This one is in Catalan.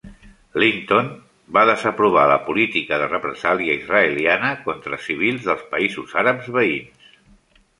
Linton va desaprovar la política de represàlia israeliana contra civils dels països àrabs veïns.